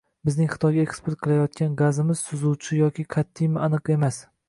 Bizning Xitoyga eksport qilayotgan gazimiz suzuvchi yoki qat'iymi, aniq emas